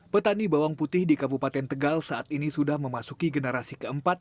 petani bawang putih di kabupaten tegal saat ini sudah memasuki generasi keempat